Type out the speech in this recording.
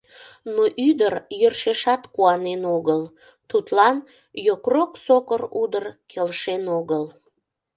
Но ӱдыр йӧршешат куанен огыл: тудлан йокрок сокыр удыр келшен огыл.